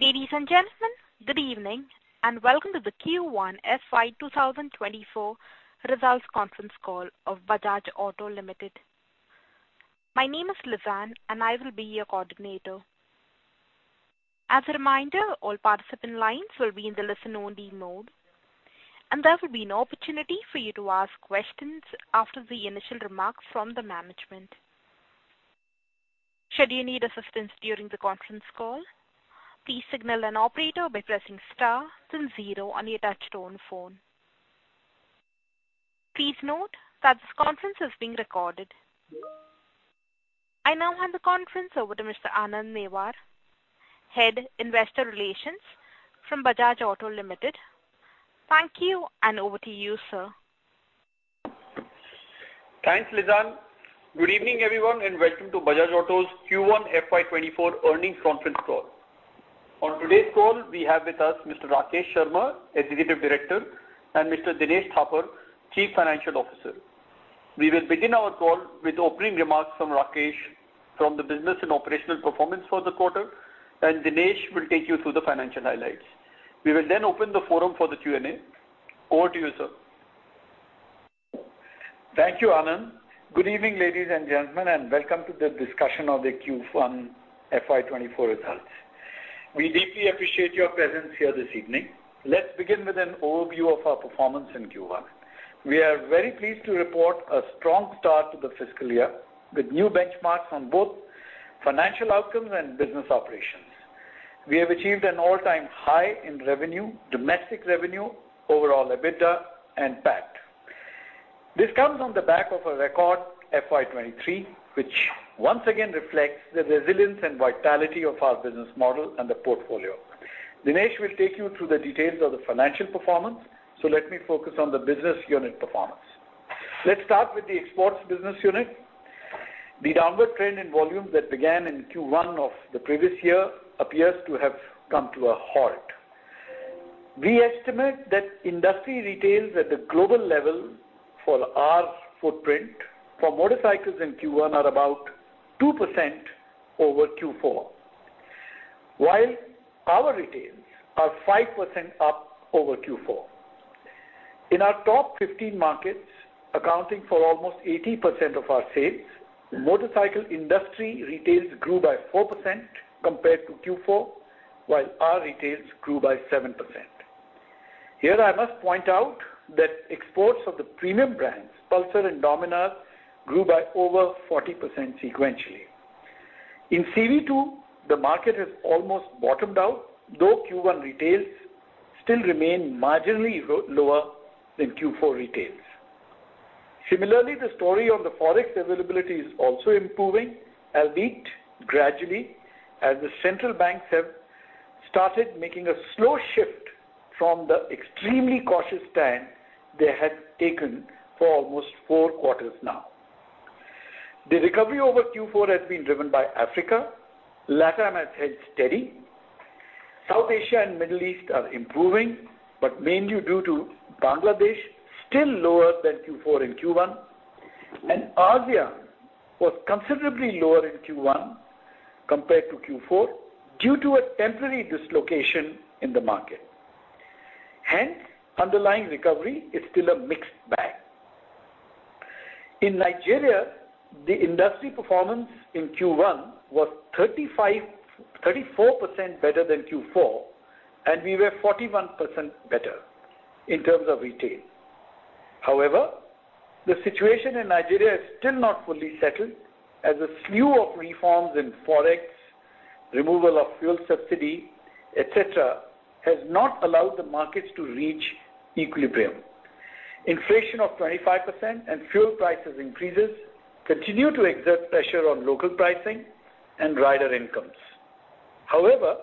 Ladies and gentlemen, good evening, and welcome to the Q1 FY 2024 results conference call of Bajaj Auto Limited. My name is Lizanne. I will be your coordinator. As a reminder, all participant lines will be in the listen-only mode. There will be an opportunity for you to ask questions after the initial remarks from the management. Should you need assistance during the conference call, please signal an operator by pressing star then zero on your touchtone phone. Please note that this conference is being recorded. I now hand the conference over to Mr. Anand Newar, Head, Investor Relations from Bajaj Auto Limited. Thank you. Over to you, sir. Thanks, Lizanne. Good evening, everyone, and welcome to Bajaj Auto's Q1 FY24 earnings conference call. On today's call, we have with us Mr. Rakesh Sharma, Executive Director, and Mr. Dinesh Thapar, Chief Financial Officer. We will begin our call with opening remarks from Rakesh from the business and operational performance for the quarter, and Dinesh will take you through the financial highlights. We will then open the forum for the Q&A. Over to you, sir. Thank you, Anand. Good evening, ladies and gentlemen, welcome to the discussion of the Q1 FY 2024 results. We deeply appreciate your presence here this evening. Let's begin with an overview of our performance in Q1. We are very pleased to report a strong start to the fiscal year, with new benchmarks on both financial outcomes and business operations. We have achieved an all-time high in revenue, domestic revenue, overall EBITDA, and PAT. This comes on the back of a record FY 2023, which once again reflects the resilience and vitality of our business model and the portfolio. Dinesh will take you through the details of the financial performance, let me focus on the business unit performance. Let's start with the exports business unit. The downward trend in volume that began in Q1 of the previous year appears to have come to a halt. We estimate that industry retails at the global level for our footprint for motorcycles in Q1 are about 2% over Q4, while our retails are 5% up over Q4. In our top 15 markets, accounting for almost 80% of our sales, motorcycle industry retails grew by 4% compared to Q4, while our retails grew by 7%. Here, I must point out that exports of the premium brands, Pulsar and Dominar, grew by over 40% sequentially. In CV too, the market has almost bottomed out, though Q1 retails still remain marginally lower than Q4 retails. Similarly, the story on the Forex availability is also improving, albeit gradually, as the central banks have started making a slow shift from the extremely cautious stand they had taken for almost four quarters now. The recovery over Q4 has been driven by Africa. Latam has held steady. South Asia and Middle East are improving, but mainly due to Bangladesh, still lower than Q4 and Q1. ASEAN was considerably lower in Q1 compared to Q4, due to a temporary dislocation in the market. Hence, underlying recovery is still a mixed bag. In Nigeria, the industry performance in Q1 was 34% better than Q4, and we were 41% better in terms of retail. However, the situation in Nigeria is still not fully settled, as a slew of reforms in Forex, removal of fuel subsidy, et cetera, has not allowed the markets to reach equilibrium. Inflation of 25% and fuel prices increases continue to exert pressure on local pricing and rider incomes. However,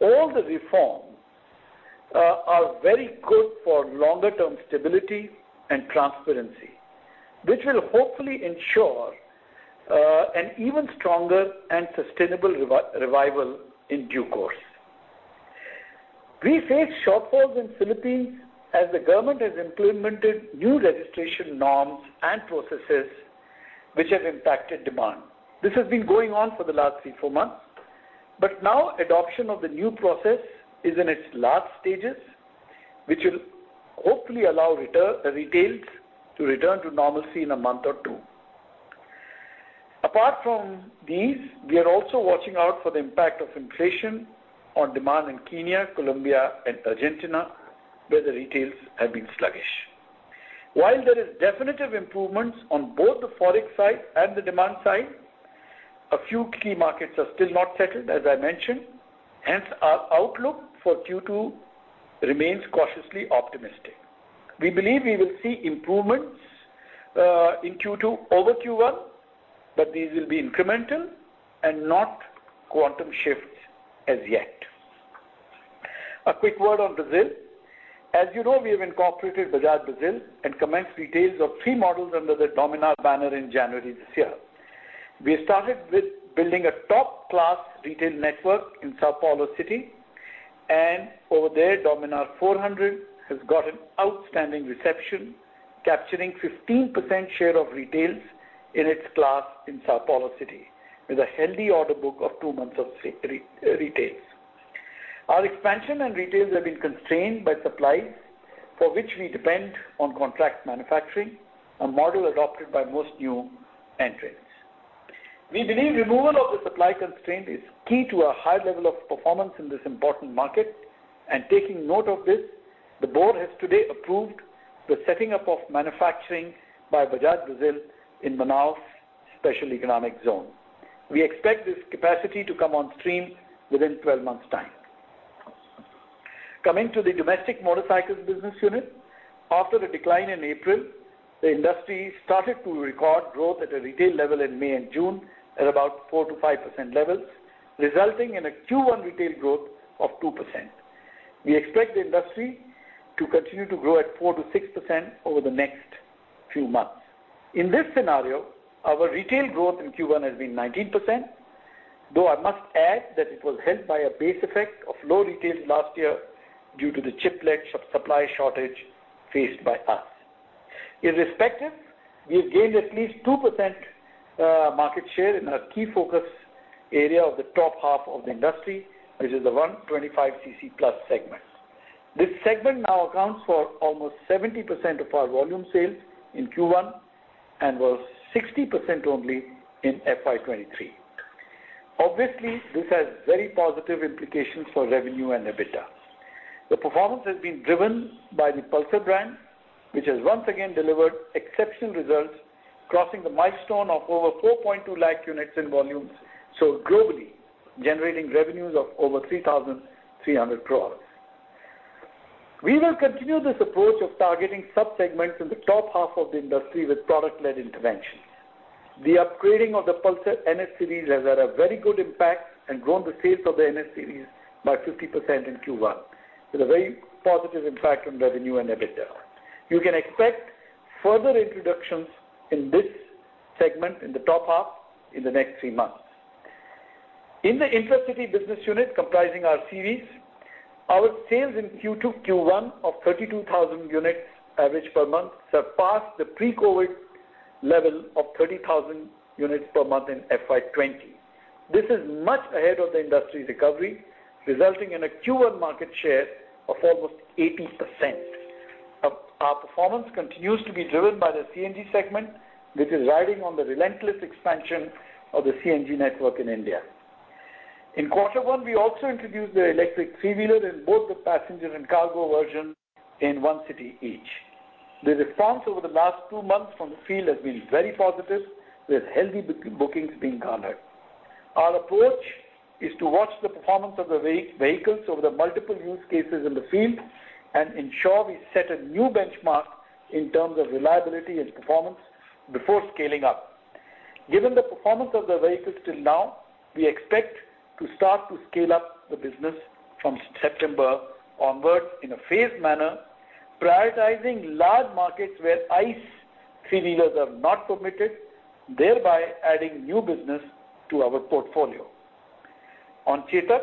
all the reforms are very good for longer-term stability and transparency, which will hopefully ensure an even stronger and sustainable revival in due course. We face shortfalls in Philippines as the government has implemented new registration norms and processes which have impacted demand. This has been going on for the last three, four months, but now adoption of the new process is in its last stages, which will hopefully allow retails to return to normalcy in a month or two. Apart from these, we are also watching out for the impact of inflation on demand in Kenya, Colombia and Argentina, where the retails have been sluggish. While there is definitive improvements on both the Forex side and the demand side, a few key markets are still not settled, as I mentioned, hence our outlook for Q2 remains cautiously optimistic. We believe we will see improvements in Q2 over Q1, but these will be incremental and not quantum shifts as yet. A quick word on Brazil. As you know, we have incorporated Bajaj Brazil and commenced retails of three models under the Dominar banner in January this year. We started with building a top-class retail network in São Paulo City. Over there, Dominar 400 has got an outstanding reception, capturing 15% share of retails in its class in São Paulo City, with a healthy order book of two months of retails. Our expansion and retails have been constrained by supply, for which we depend on contract manufacturing, a model adopted by most new entrants. We believe removal of the supply constraint is key to a high level of performance in this important market, and taking note of this, the board has today approved the setting up of manufacturing by Bajaj Brazil in Manaus Special Economic Zone. We expect this capacity to come on stream within 12 months' time. Coming to the domestic motorcycles business unit. After a decline in April, the industry started to record growth at a retail level in May and June, at about 4%-5% levels, resulting in a Q1 retail growth of 2%. We expect the industry to continue to grow at 4%-6% over the next few months. In this scenario, our retail growth in Q1 has been 19%, though I must add that it was helped by a base effect of low retails last year due to the chip lack of supply shortage faced by us. Irrespective, we have gained at least 2% market share in our key focus area of the top half of the industry, which is the 125 cc plus segment. This segment now accounts for almost 70% of our volume sales in Q1, and was 60% only in FY 2023. Obviously, this has very positive implications for revenue and EBITDA. The performance has been driven by the Pulsar brand, which has once again delivered exceptional results, crossing the milestone of over 4.2 lakh units in volumes sold globally, generating revenues of over 3,300 crores. We will continue this approach of targeting subsegments in the top half of the industry with product-led interventions. The upgrading of the Pulsar NS series has had a very good impact and grown the sales of the NS series by 50% in Q1, with a very positive impact on revenue and EBITDA. You can expect further introductions in this segment, in the top half, in the next three months. In the intracity business unit, comprising our series, our sales in Q1 of 32,000 units average per month, surpassed the pre-COVID level of 30,000 units per month in FY 20. This is much ahead of the industry's recovery, resulting in a Q1 market share of almost 80%. Our performance continues to be driven by the CNG segment, which is riding on the relentless expansion of the CNG network in India. In quarter one, we also introduced the electric three-wheeler in both the passenger and cargo version in one city each. The response over the last two months from the field has been very positive, with healthy bookings being garnered. Our approach is to watch the performance of the vehicles over the multiple use cases in the field and ensure we set a new benchmark in terms of reliability and performance before scaling up. Given the performance of the vehicles till now, we expect to start to scale up the business from September onwards in a phased manner, prioritizing large markets where ICE three-wheelers are not permitted, thereby adding new business to our portfolio. On Chetak,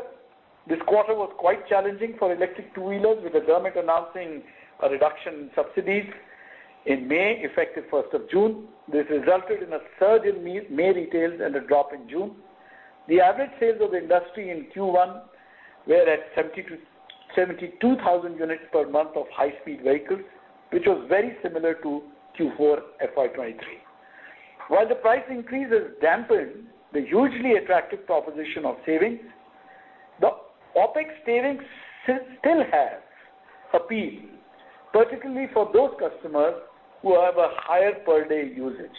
this quarter was quite challenging for electric two-wheelers, with the government announcing a reduction in subsidies in May, effective 1st of June. This resulted in a surge in May retails and a drop in June. The average sales of the industry in Q1 were at 70,000-72,000 units per month of high-speed vehicles, which was very similar to Q4 FY 2023. While the price increase has dampened the hugely attractive proposition of savings, the OpEx savings still has appeal, particularly for those customers who have a higher per-day usage.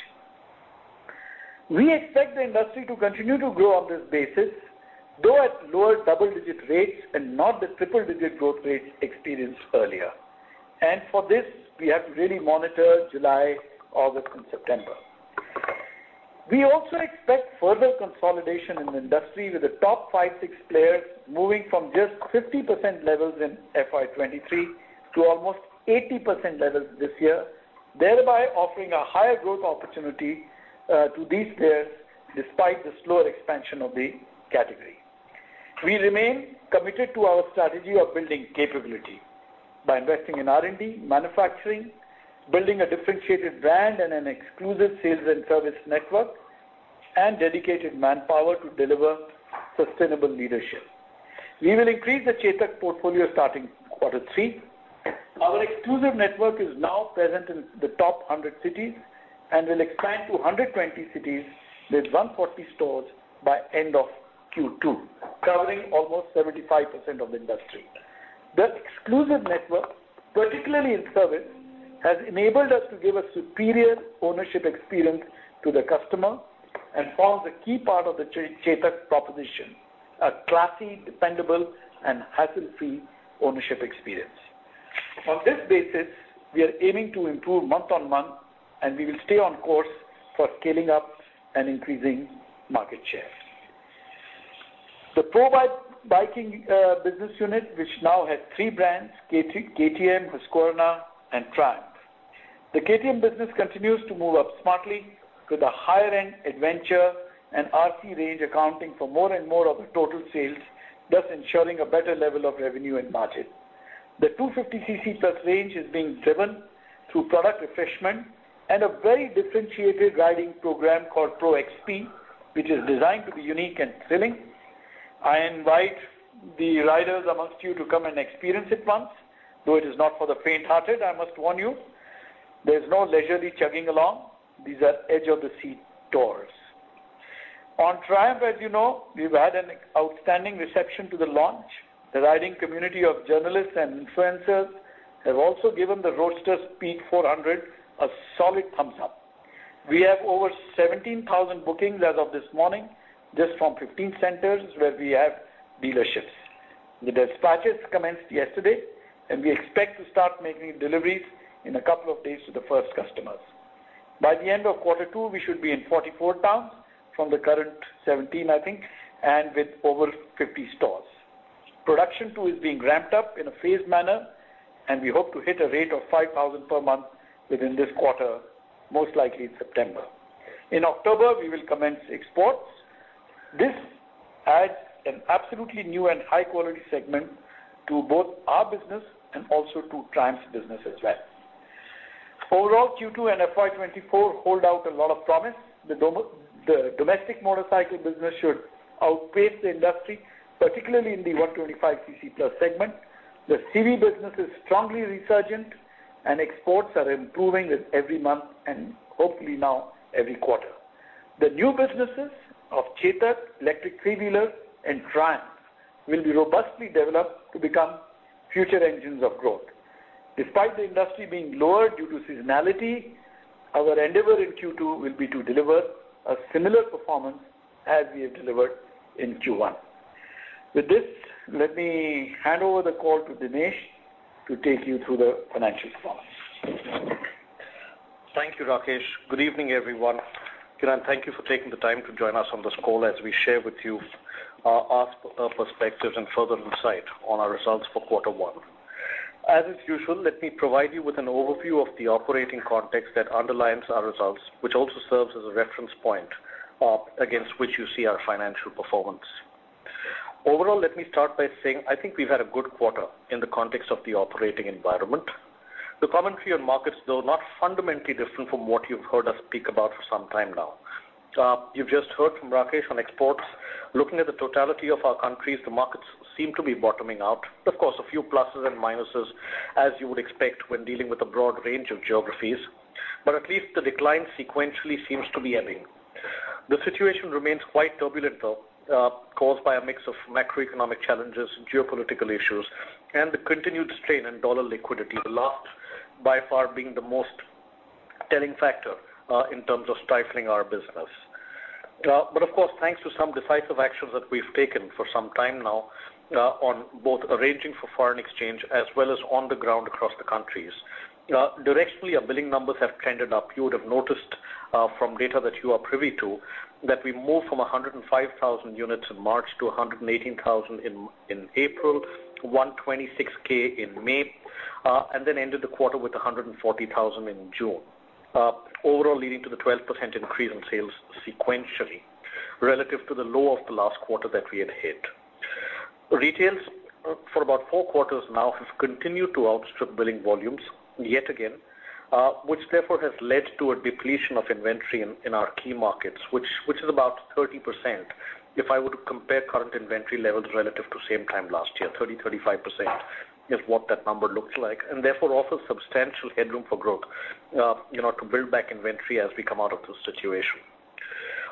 We expect the industry to continue to grow on this basis, though at lower double-digit rates and not the triple-digit growth rates experienced earlier. For this, we have to really monitor July, August, and September. We also expect further consolidation in the industry, with the top five, six players moving from just 50% levels in FY23 to almost 80% levels this year, thereby offering a higher growth opportunity to these players, despite the slower expansion of the category. We remain committed to our strategy of building capability by investing in R&D, manufacturing, building a differentiated brand and an exclusive sales and service network, and dedicated manpower to deliver sustainable leadership. We will increase the Chetak portfolio starting quarter three. Our exclusive network is now present in the top 100 cities and will expand to 120 cities, with 140 stores by end of Q2, covering almost 75% of the industry. That exclusive network, particularly in service, has enabled us to give a superior ownership experience to the customer and forms a key part of the Chetak proposition, a classy, dependable, and hassle-free ownership experience. On this basis, we are aiming to improve month-on-month. We will stay on course for scaling up and increasing market share. The Pro-biking business unit, which now has three brands, KTM, Husqvarna, and Triumph. The KTM business continues to move up smartly, with a higher end adventure and RC range accounting for more and more of the total sales, thus ensuring a better level of revenue and margin. The 250 cc plus range is being driven through product refreshment and a very differentiated riding program called Pro-XP, which is designed to be unique and thrilling. I invite the riders amongst you to come and experience it once, though it is not for the faint-hearted, I must warn you. There's no leisurely chugging along. These are edge-of-the-seat tours. On Triumph, as you know, we've had an outstanding reception to the launch. The riding community of journalists and influencers have also given the Roadster Speed 400 a solid thumbs up. We have over 17,000 bookings as of this morning, just from 15 centers where we have dealerships. The dispatches commenced yesterday, and we expect to start making deliveries in a couple of days to the first customers. By the end of quarter two, we should be in 44 towns from the current 17, I think, and with over 50 stores. Production, too, is being ramped up in a phased manner, and we hope to hit a rate of 5,000 per month within this quarter, most likely in September. In October, we will commence exports. This adds an absolutely new and high-quality segment to both our business and also to Triumph's business as well. Overall, Q2 and FY 2024 hold out a lot of promise. The domestic motorcycle business should outpace the industry, particularly in the 125 cc plus segment. The CV business is strongly resurgent and exports are improving with every month and hopefully now every quarter. The new businesses of Chetak, electric three-wheeler and Triumph will be robustly developed to become future engines of growth. Despite the industry being lower due to seasonality, our endeavor in Q2 will be to deliver a similar performance as we have delivered in Q1. With this, let me hand over the call to Dinesh to take you through the financial performance. Thank you, Rakesh. Good evening, everyone. Thank you for taking the time to join us on this call as we share with you our perspectives and further insight on our results for quarter one. As usual, let me provide you with an overview of the operating context that underlines our results, which also serves as a reference point against which you see our financial performance. Let me start by saying I think we've had a good quarter in the context of the operating environment. The commentary on markets, though not fundamentally different from what you've heard us speak about for some time now. You've just heard from Rakesh on exports. Looking at the totality of our countries, the markets seem to be bottoming out. Of course, a few pluses and minuses, as you would expect when dealing with a broad range of geographies, but at least the decline sequentially seems to be ebbing. The situation remains quite turbulent, though, caused by a mix of macroeconomic challenges, geopolitical issues, and the continued strain in dollar liquidity. The last, by far, being the most telling factor, in terms of stifling our business. Of course, thanks to some decisive actions that we've taken for some time now, on both arranging for foreign exchange as well as on the ground across the countries. Directionally, our billing numbers have trended up. You would have noticed, from data that you are privy to, that we moved from 105,000 units in March to 118,000 in April, to 126,000 in May, and then ended the quarter with 140,000 in June. Overall, leading to the 12% increase in sales sequentially, relative to the low of the last quarter that we had hit. Retails for about four quarters now have continued to outstrip billing volumes yet again, which therefore has led to a depletion of inventory in our key markets, which is about 30%. If I were to compare current inventory levels relative to same time last year, 30%-35% is what that number looks like, and therefore also substantial headroom for growth, you know, to build back inventory as we come out of this situation.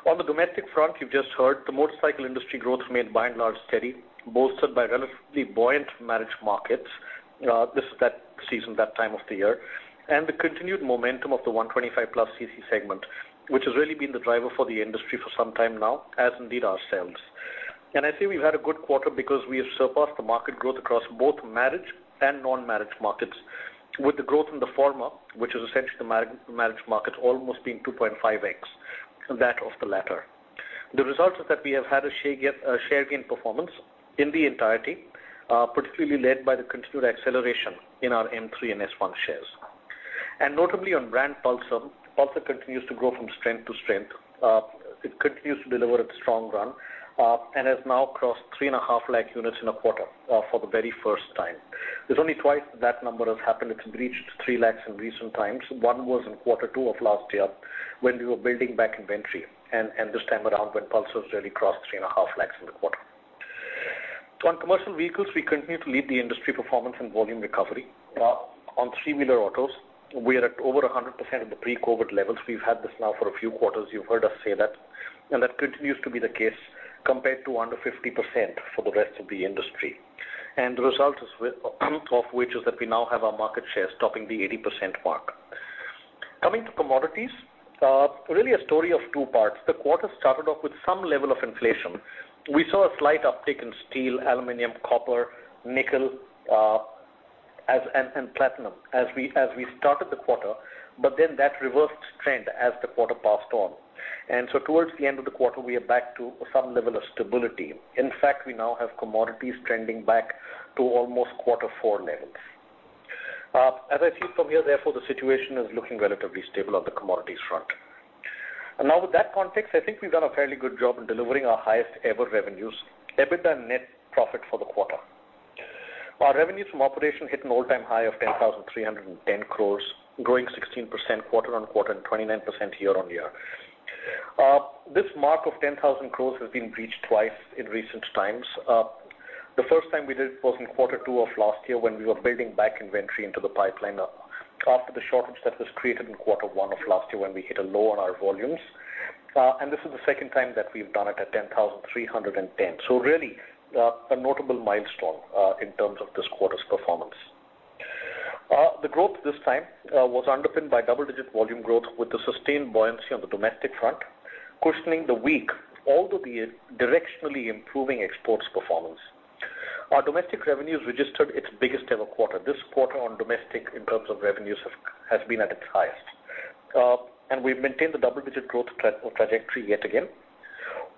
On the domestic front, you've just heard the motorcycle industry growth remained by and large steady, bolstered by relatively buoyant marriage markets. This is that season, that time of the year, and the continued momentum of the 125+ cc segment, which has really been the driver for the industry for some time now, as indeed ourselves. I'd say we've had a good quarter because we have surpassed the market growth across both marriage and non-marriage markets, with the growth in the former, which is essentially the marriage market, almost being 2.5x that of the latter. The result is that we have had a share a share gain performance in the entirety, particularly led by the continued acceleration in our M3 and S1 shares. Notably on brand Pulsar continues to grow from strength to strength. It continues to deliver its strong run, and has now crossed 3.5 lakh units in a quarter, for the very first time. There's only twice that number has happened. It's reached 3 lakh in recent times. One was in quarter two of last year when we were building back inventory, and this time around, when Pulsar has really crossed 3.5 lakh in the quarter. On commercial vehicles, we continue to lead the industry performance and volume recovery. On three-wheeler autos, we are at over 100% of the pre-COVID levels. We've had this now for a few quarters. You've heard us say that, and that continues to be the case compared to under 50% for the rest of the industry. The result is of which is that we now have our market share stopping the 80% mark. Coming to commodities, really a story of two parts. The quarter started off with some level of inflation. We saw a slight uptick in steel, aluminum, copper, nickel, and platinum as we started the quarter, but then that reversed trend as the quarter passed on. Towards the end of the quarter, we are back to some level of stability. In fact, we now have commodities trending back to almost quarter four levels. As I see from here, therefore, the situation is looking relatively stable on the commodities front. Now with that context, I think we've done a fairly good job in delivering our highest ever revenues, EBITDA, and net profit for the quarter. Our revenues from operation hit an all-time high of 10,310 crore, growing 16% quarter-on-quarter and 29% year-on-year. This mark of 10,000 crore has been reached twice in recent times. The first time we did it was in quarter two of last year when we were building back inventory into the pipeline, after the shortage that was created in quarter one of last year when we hit a low on our volumes. This is the second time that we've done it at 10,310. Really, a notable milestone in terms of this quarter's performance. The growth this time was underpinned by double-digit volume growth, with the sustained buoyancy on the domestic front, cushioning the weak, although the directionally improving exports performance. Our domestic revenues registered its biggest ever quarter. This quarter on domestic, in terms of revenues, has been at its highest. We've maintained the double-digit growth trajectory yet again.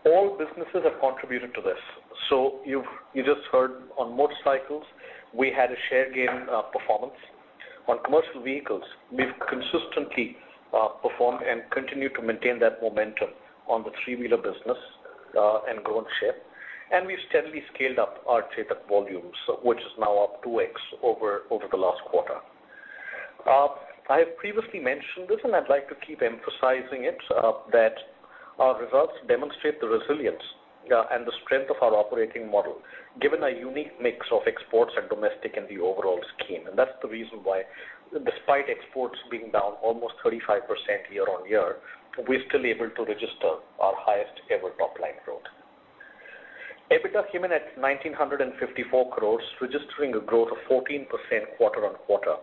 All businesses have contributed to this. You just heard on motorcycles, we had a share gain performance. On commercial vehicles, we've consistently performed and continued to maintain that momentum on the three-wheeler business and grown share. We've steadily scaled up our Chetak volumes, which is now up 2x over the last quarter. I have previously mentioned this, and I'd like to keep emphasizing it, that our results demonstrate the resilience and the strength of our operating model, given a unique mix of exports and domestic in the overall scheme. That's the reason why despite exports being down almost 35% year-on-year, we're still able to register our highest ever top line growth. EBITDA came in at 1,954 crores, registering a growth of 14% quarter-on-quarter,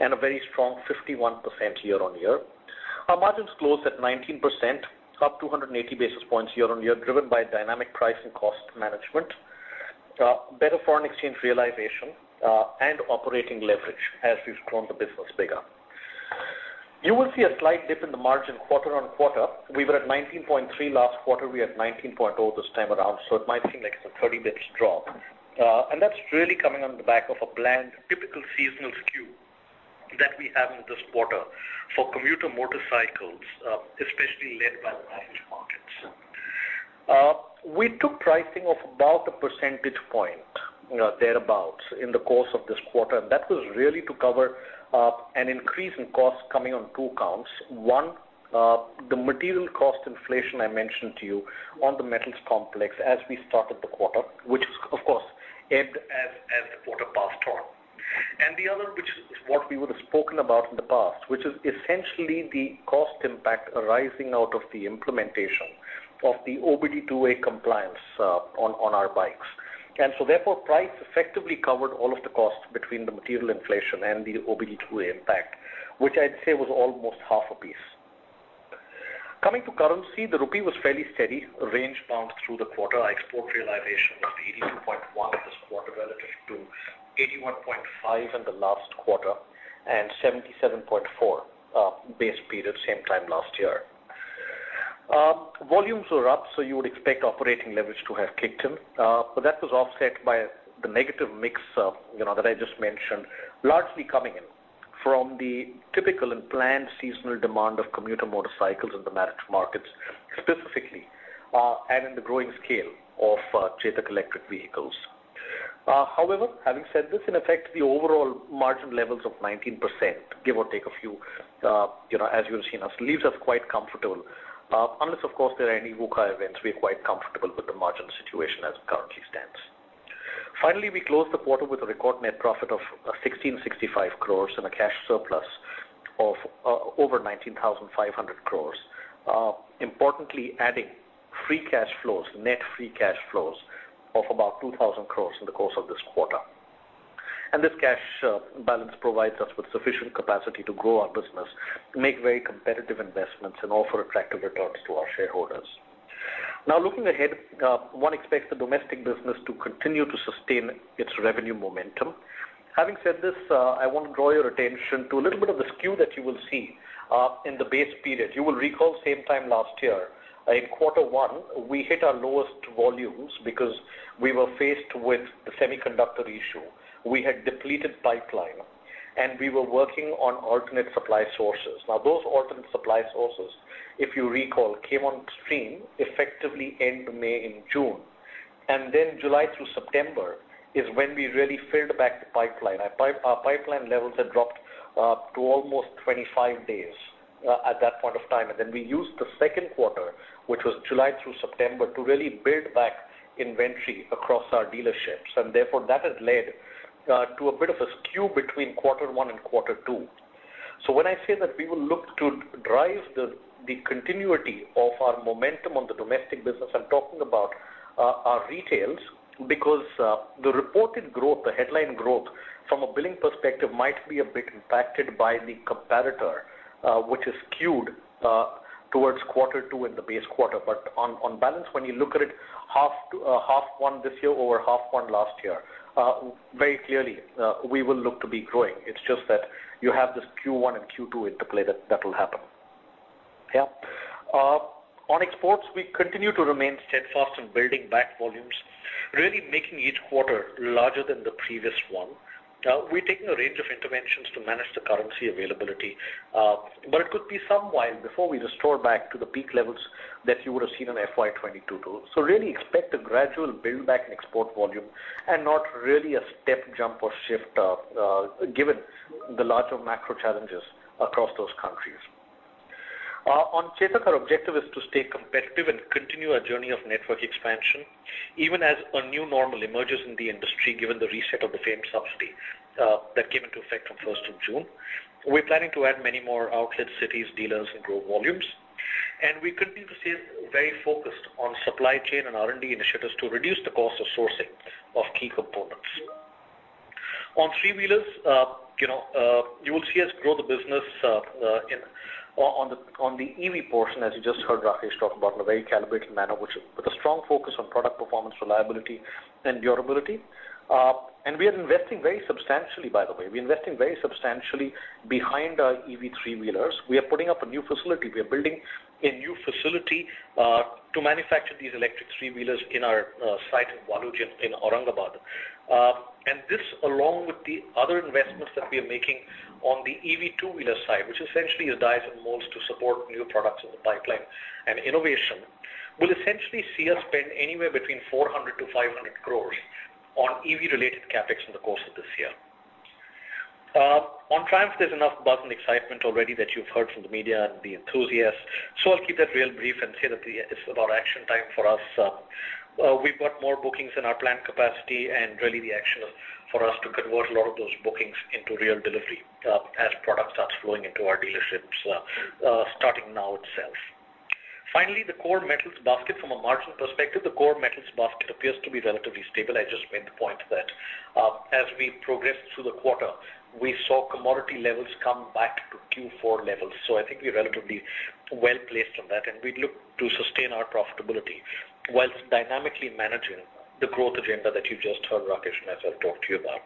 and a very strong 51% year-on-year. Our margins closed at 19%, up 280 basis points year-on-year, driven by dynamic price and cost management, better foreign exchange realization, and operating leverage as we've grown the business bigger. You will see a slight dip in the margin quarter-on-quarter. We were at 19.3% last quarter, we are at 19.0% this time around, it might seem like it's a 30 basis points drop. That's really coming on the back of a bland, typical seasonal skew that we have in this quarter for commuter motorcycles, especially led by the large markets. We took pricing of about [a] percentage point thereabout in the course of this quarter, and that was really to cover an increase in costs coming on two counts. One, the material cost inflation I mentioned to you on the metals complex as we started the quarter, which, of course, ended as the quarter passed on. The other, which is what we would have spoken about in the past, which is essentially the cost impact arising out of the implementation of the OBD2A compliance on our bikes. Therefore, price effectively covered all of the costs between the material inflation and the OBD2A impact, which I'd say was almost half a piece. Coming to currency, the rupee was fairly steady, range bound through the quarter. Our export realization was 82.1 this quarter, relative to 81.5 in the last quarter, and 77.4 base period, same time last year. Volumes were up, so you would expect operating leverage to have kicked in. That was offset by the negative mix, you know, that I just mentioned, largely coming in from the typical and planned seasonal demand of commuter motorcycles in the mature markets, specifically, and in the growing scale of Chetak electric vehicles. However, having said this, in effect, the overall margin levels of 19%, give or take a few, you know, as you have seen us, leaves us quite comfortable. Unless, of course, there are any VUCA events, we are quite comfortable with the margin situation as it currently stands. Finally, we closed the quarter with a record net profit of 1,665 crores and a cash surplus of over 19,500 crores. Importantly, adding free cash flows, net free cash flows of about 2,000 crores in the course of this quarter. This cash balance provides us with sufficient capacity to grow our business, make very competitive investments, and offer attractive returns to our shareholders. Looking ahead, one expects the domestic business to continue to sustain its revenue momentum. Having said this, I want to draw your attention to a little bit of the skew that you will see in the base period. You will recall same time last year, in quarter one, we hit our lowest volumes because we were faced with the semiconductor issue. We had depleted pipeline, and we were working on alternate supply sources. Those alternate supply sources, if you recall, came on stream effectively end May and June, and then July through September is when we really filled back the pipeline. Our pipeline levels had dropped to almost 25 days at that point of time. We used the second quarter, which was July through September, to really build back inventory across our dealerships, and therefore, that has led to a bit of a skew between quarter one and quarter two. When I say that we will look to drive the continuity of our momentum on the domestic business, I'm talking about our retails, because the reported growth, the headline growth from a billing perspective, might be a bit impacted by the comparator, which is skewed towards quarter two in the base quarter. On balance, when you look at it, half one this year over half one last year, very clearly, we will look to be growing. It's just that you have this Q1 and Q2 interplay that will happen. Yeah. On exports, we continue to remain steadfast in building back volumes, really making each quarter larger than the previous one. We're taking a range of interventions to manage the currency availability, but it could be some while before we restore back to the peak levels that you would have seen in FY2022. Really expect a gradual build back in export volume and not really a step jump or shift, given the larger macro challenges across those countries. On Chetak, our objective is to stay competitive and continue our journey of network expansion, even as a new normal emerges in the industry, given the reset of the FAME subsidy that came into effect on 1st of June. We're planning to add many more outlet cities, dealers, and grow volumes, and we continue to stay very focused on supply chain and R&D initiatives to reduce the cost of sourcing of key components. On three-wheelers, you know, you will see us grow the business in, on the EV portion, as you just heard Rakesh talk about in a very calibrated manner, which with a strong focus on product performance, reliability, and durability. We are investing very substantially, by the way. We're investing very substantially behind our EV three-wheelers. We are putting up a new facility. We are building a new facility to manufacture these electric three-wheelers in our site in Waluj in Aurangabad. This, along with the other investments that we are making on the EV two-wheeler side, which essentially is dies and molds to support new products in the pipeline and innovation, will essentially see us spend anywhere between 400 crore-500 crore on EV-related CapEx in the course of this year. On Triumph, there's enough buzz and excitement already that you've heard from the media and the enthusiasts, I'll keep that real brief and say that it's about action time for us. We've got more bookings in our plant capacity and really the action is for us to convert a lot of those bookings into real delivery, as product starts flowing into our dealerships, starting now itself. Finally, the core metals basket. From a margin perspective, the core metals basket appears to be relatively stable. I just made the point that as we progressed through the quarter, we saw commodity levels come back to Q4 levels. I think we're relatively well-placed on that, and we look to sustain our profitability whilst dynamically managing the growth agenda that you just heard Rakesh and myself talk to you about.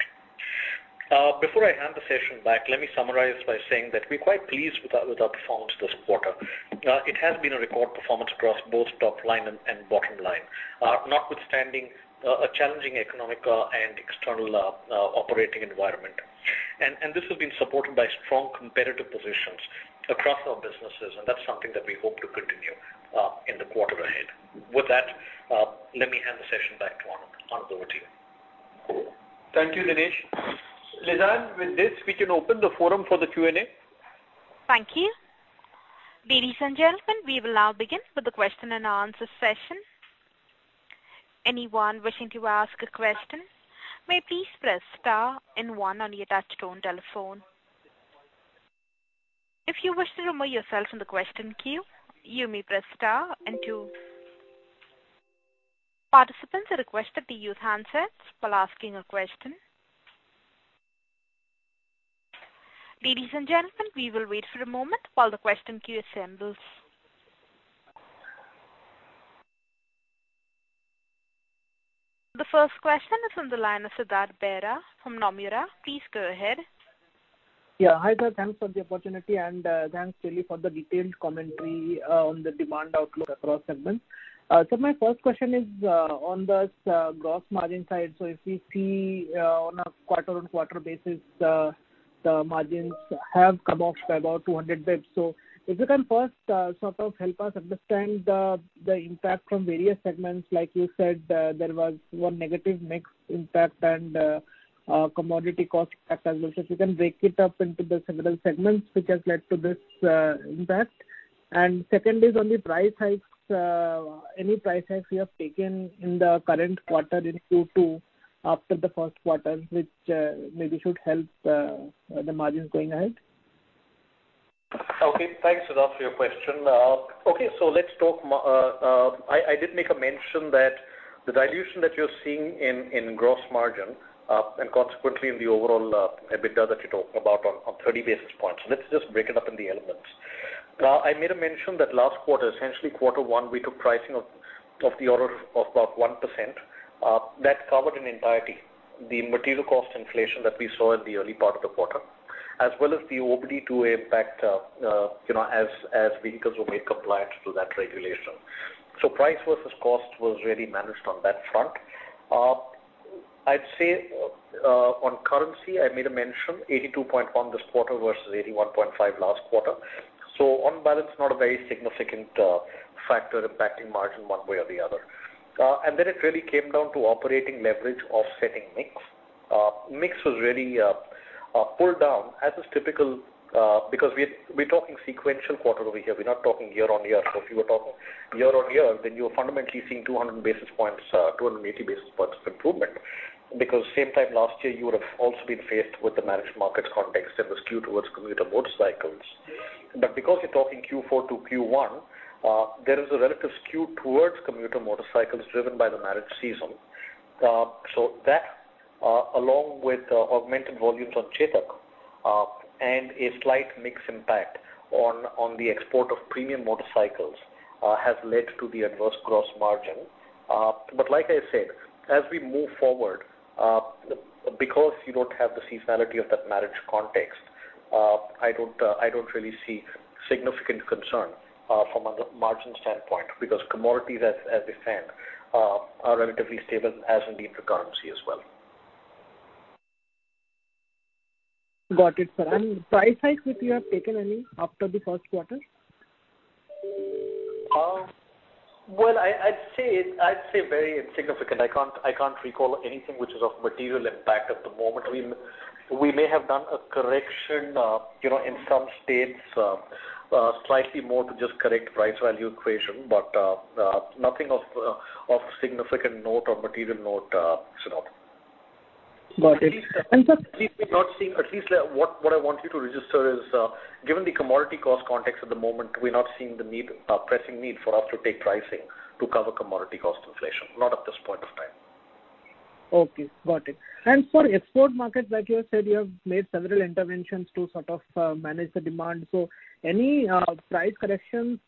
Before I hand the session back, let me summarize by saying that we're quite pleased with our performance this quarter. It has been a record performance across both top line and bottom line, notwithstanding a challenging economic and external operating environment. This has been supported by strong competitive positions across our businesses, and that's something that we hope to continue in the quarter ahead. With that, let me hand the session back to Anand Newar. Anand Newar, over to you. Thank you, Dinesh. Lizanne, with this, we can open the forum for the Q&A. Thank you. Ladies and gentlemen, we will now begin with the question-and-answer session. Anyone wishing to ask a question, may please press star and one on your touchtone telephone. If you wish to remove yourself from the question queue, you may press star and two. Participants are requested to use handsets while asking a question. Ladies and gentlemen, we will wait for a moment while the question queue assembles. The first question is from the line of Siddharth Bera from Nomura. Please go ahead. Yeah. Hi, sir, thanks for the opportunity, and thanks really for the detailed commentary on the demand outlook across segments. My first question is on the gross margin side. If we see on a quarter-on-quarter basis, the margins have come off by about 200 basis points. If you can first sort of help us understand the impact from various segments, like you said, there was one negative mix impact and commodity cost impact as well. If you can break it up into the several segments which has led to this impact. Second is on the price hikes. Any price hikes you have taken in the current quarter in Q2 after the first quarter, which maybe should help the margins going ahead? Okay, thanks, Siddharth, for your question. Let's talk, I did make a mention that the dilution that you're seeing in gross margin, and consequently in the overall EBITDA that you talk about on 30 basis points. Let's just break it up in the elements. I made a mention that last quarter, essentially quarter one, we took pricing of the order of about 1%. That covered in entirety the material cost inflation that we saw in the early part of the quarter, as well as the OBD2A impact, you know, as vehicles were made compliant to that regulation. Price versus cost was really managed on that front. I'd say, on currency, I made a mention, 82.1 this quarter versus 81.5 last quarter. On balance, not a very significant factor impacting margin one way or the other. Then it really came down to operating leverage offsetting mix. Mix was really pulled down as is typical because we're talking sequential quarter over here. We're not talking year-on-year. If you were talking year-on-year, then you're fundamentally seeing 200 basis points, 280 basis points of improvement. Because same time last year, you would have also been faced with the marriage market context that was skewed towards commuter motorcycles. Because you're talking Q4 to Q1, there is a relative skew towards commuter motorcycles driven by the marriage season. That, along with augmented volumes on Chetak, and a slight mix impact on the export of premium motorcycles. has led to the adverse gross margin. Like I said, as we move forward, because you don't have the seasonality of that marriage context, I don't really see significant concern from a margin standpoint, because commodities, as I said, are relatively stable, as in the currency as well. Got it, sir. Price hikes, if you have taken any after the first quarter? Well, I'd say very insignificant. I can't recall anything which is of material impact at the moment. We may have done a correction, you know, in some states, slightly more to just correct price value equation, but nothing of significant note or material note, Siddharth. Got it., sir. At least what I want you to register is, given the commodity cost context at the moment, we're not seeing the need, pressing need for us to take pricing to cover commodity cost inflation, not at this point of time. Okay, got it. For export markets, like you have said, you have made several interventions to sort of manage the demand. Any price corrections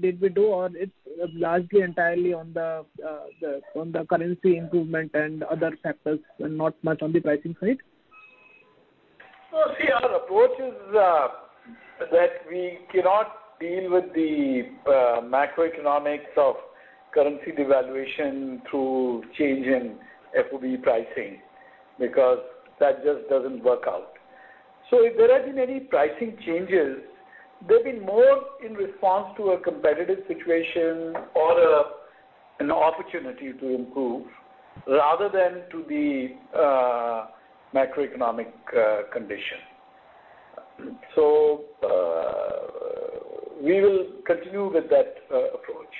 did we do, or it's largely entirely on the currency improvement and other factors and not much on the pricing side? Well, see, our approach is, that we cannot deal with the macroeconomics of currency devaluation through change in FOB pricing, because that just doesn't work out. If there have been any pricing changes, they've been more in response to a competitive situation or, an opportunity to improve, rather than to the macroeconomic condition. We will continue with that approach.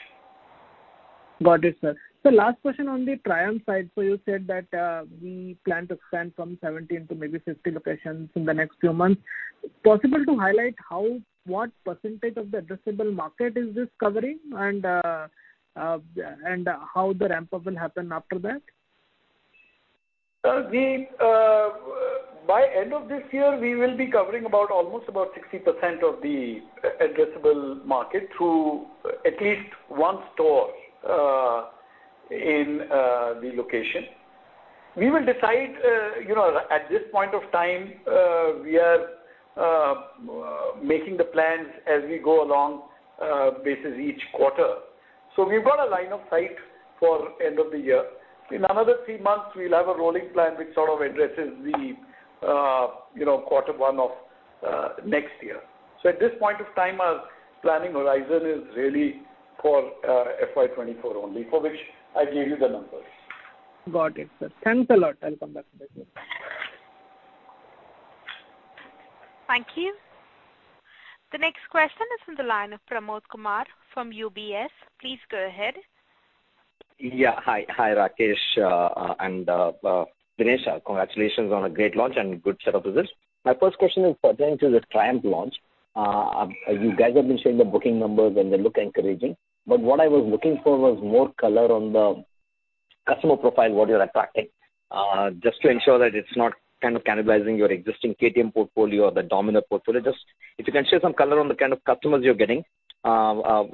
Got it, sir. Last question on the Triumph side. You said that, we plan to expand from 17 to maybe 50 locations in the next few months. Possible to highlight what percentage of the addressable market is this covering, and how the ramp-up will happen after that? Sir, by end of this year, we will be covering about almost about 60% of the addressable market through at least one store in the location. We will decide, you know, at this point of time, we are making the plans as we go along, basis each quarter. We've got a line of sight for end of the year. In another three months, we'll have a rolling plan, which sort of addresses the, you know, quarter one of next year. At this point of time, our planning horizon is really for FY 2024 only, for which I gave you the numbers. Got it, sir. Thanks a lot. I'll come back to you. Thank you. The next question is from the line of Pramod Kumar from UBS. Please go ahead. Hi. Hi, Rakesh, and Dinesh, congratulations on a great launch and good set of results. My first question is pertaining to the Triumph launch. You guys have been sharing the booking numbers, and they look encouraging, but what I was looking for was more color on the customer profile, what you're attracting, just to ensure that it's not kind of cannibalizing your existing KTM portfolio or the Dominar portfolio. Just if you can share some color on the kind of customers you're getting, how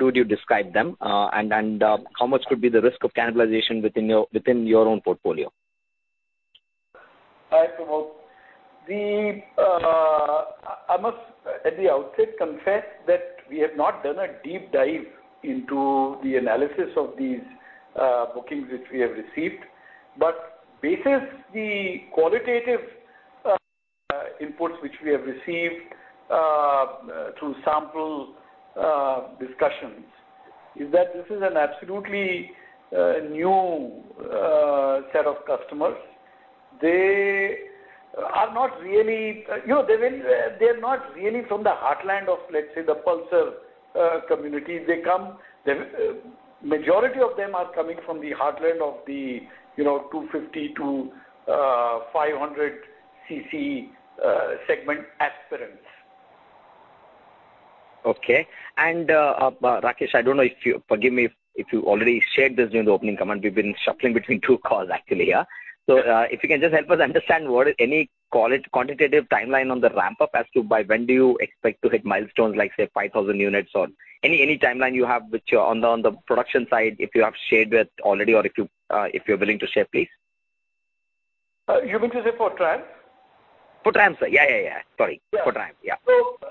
would you describe them? How much could be the risk of cannibalization within your own portfolio? Hi, Pramod. The, I must at the outset confess that we have not done a deep dive into the analysis of these bookings which we have received, but basis the qualitative inputs which we have received through sample discussions, is that this is an absolutely new set of customers. They are not really, you know, they're very, they're not really from the heartland of, let's say, the Pulsar community. They come, the majority of them are coming from the heartland of the 250-500 cc segment aspirants. Okay. Rakesh, I don't know if you forgive me, if you already shared this during the opening comment. We've been shuffling between two calls actually here. If you can just help us understand what any quantitative timeline on the ramp-up as to by when do you expect to hit milestones like, say, 5,000 units or any timeline you have, which are on the production side, if you have shared that already or if you're willing to share, please. You mean to say for Triumph? For Triumph, sir. Yeah, yeah. Sorry. Yeah. For Triumph, yeah.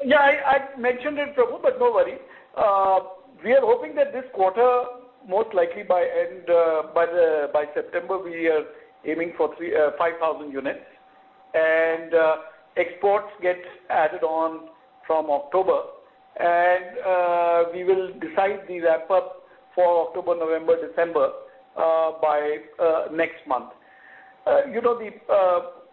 Yeah, I mentioned it, Pramod, but no worry. We are hoping that this quarter, most likely by end, by the, by September, we are aiming for 3, 5,000 units, and exports get added on from October. We will decide the ramp-up for October, November, December, by next month. You know, the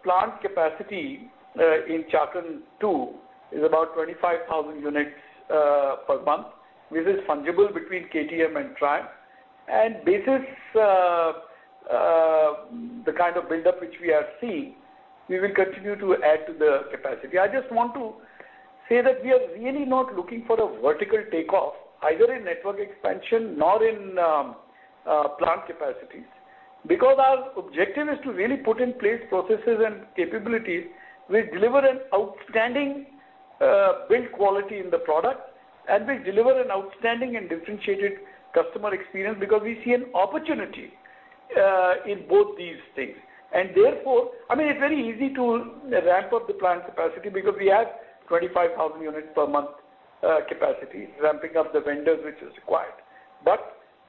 plant capacity in Chakan 2 is about 25,000 units per month. This is fungible between KTM and Triumph, and basis, the kind of buildup which we are seeing, we will continue to add to the capacity. I just want to say that we are really not looking for a vertical takeoff, either in network expansion, nor in, plant capacities. Because our objective is to really put in place processes and capabilities, we deliver an outstanding build quality in the product, and we deliver an outstanding and differentiated customer experience because we see an opportunity in both these things. Therefore, I mean, it's very easy to ramp up the plant capacity because we have 25,000 units per month, capacity, ramping up the vendors, which is required.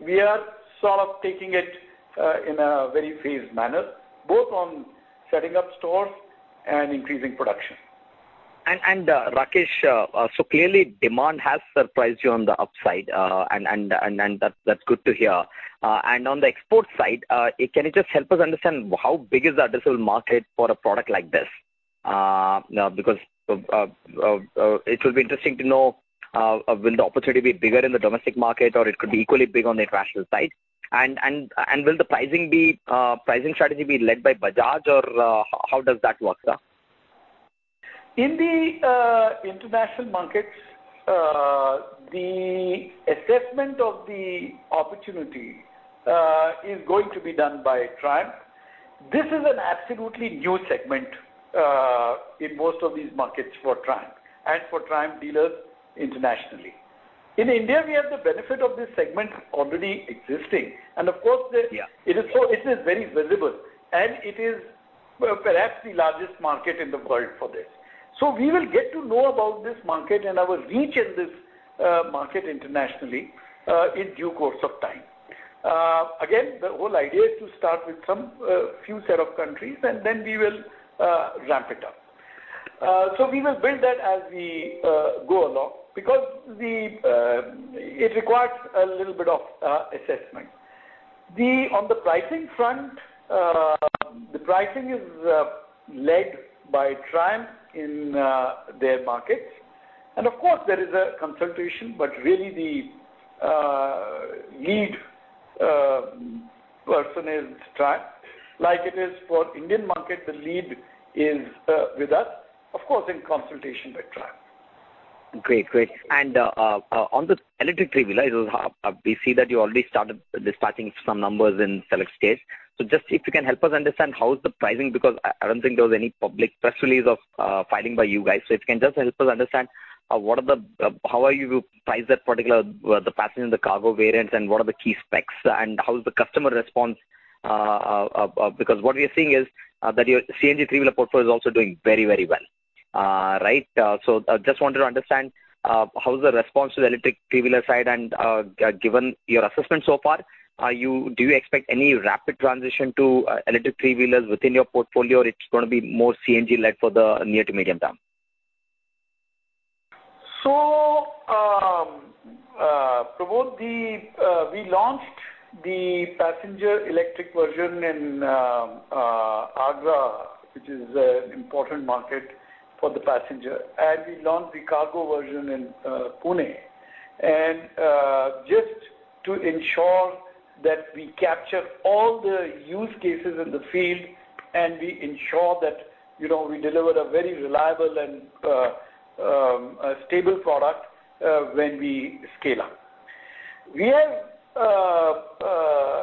We are sort of taking it in a very phased manner, both on setting up stores and increasing production. Rakesh, clearly, demand has surprised you on the upside, and that's good to hear. On the export side, can you just help us understand how big is the addressable market for a product like this? Because it will be interesting to know, will the opportunity be bigger in the domestic market, or it could be equally big on the international side? Will the pricing be pricing strategy be led by Bajaj, or how does that work, sir? In the international markets, the assessment of the opportunity is going to be done by Triumph. This is an absolutely new segment in most of these markets for Triumph and for Triumph dealers internationally. In India, we have the benefit of this segment already existing, and of course- Yeah. It is very visible, and it is perhaps the largest market in the world for this. We will get to know about this market and our reach in this market internationally in due course of time. Again, the whole idea is to start with some few set of countries, then we will ramp it up. We will build that as we go along, because it requires a little bit of assessment. On the pricing front, the pricing is led by Triumph in their markets. Of course, there is a consultation, but really the lead person is Triumph. Like it is for Indian market, the lead is with us, of course, in consultation with Triumph. Great. Great. On the electric three-wheeler, we see that you already started dispatching some numbers in select states. Just if you can help us understand, how is the pricing, because I don't think there was any public press release of filing by you guys. If you can just help us understand, how are you price that particular the passenger and the cargo variants, and what are the key specs, and how is the customer response, because what we are seeing is that your CNG three-wheeler portfolio is also doing very, very well. Right? Just wanted to understand how is the response to the electric three-wheeler side. Given your assessment so far, do you expect any rapid transition to electric three-wheelers within your portfolio, or it's going to be more CNG-led for the near to medium term? Pramod, we launched the passenger electric version in Agra, which is an important market for the passenger, and we launched the cargo version in Pune. Just to ensure that we capture all the use cases in the field and we ensure that, you know, we deliver a very reliable and a stable product when we scale up. We have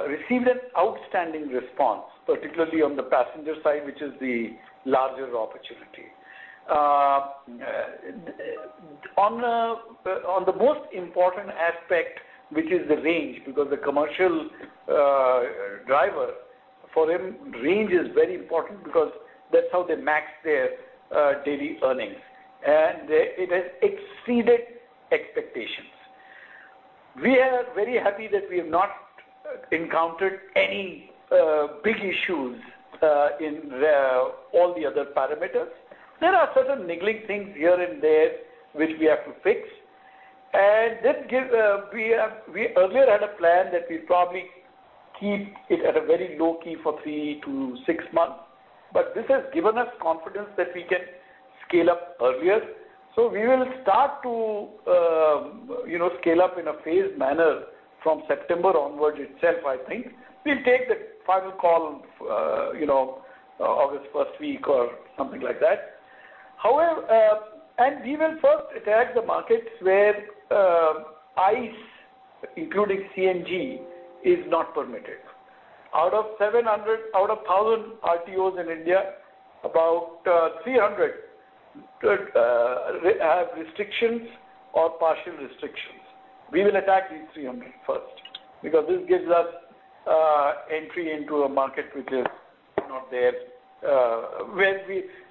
received an outstanding response, particularly on the passenger side, which is the larger opportunity. On the most important aspect, which is the range, because the commercial driver, for him, range is very important because that's how they max their daily earnings, and it has exceeded expectations. We are very happy that we have not encountered any big issues in all the other parameters. There are certain niggling things here and there, which we have to fix. We earlier had a plan that we probably keep it at a very low key for 3-6 months, but this has given us confidence that we can scale up earlier. We will start to, you know, scale up in a phased manner from September onwards itself, I think. We'll take the final call, you know, August first week or something like that. However, and we will first attack the markets where ICE, including CNG, is not permitted. Out of 700, out of 1,000 RTOs in India, about 300 have restrictions or partial restrictions. We will attack these 300 first, because this gives us entry into a market which is not there, where